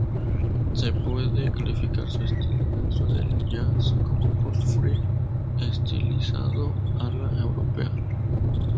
Se puede calificar su estilo dentro del jazz como post-free estilizado "a la europea".